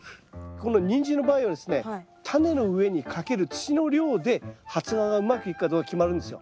このニンジンの場合はですねタネの上にかける土の量で発芽がうまくいくかどうか決まるんですよ。